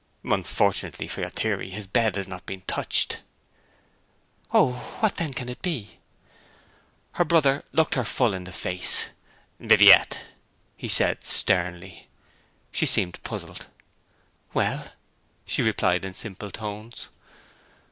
'Unfortunately for your theory his bed has not been touched.' 'Oh, what then can it be?' Her brother looked her full in the face. 'Viviette!' he said sternly. She seemed puzzled. 'Well?' she replied, in simple tones.